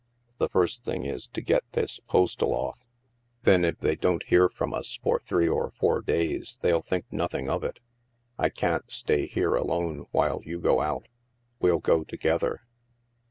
The first thing is to get this postal off. Then, if they don't hear from us for three or four days, they'll think nothing of it. I can't stay here alone while you go out. We'll go together."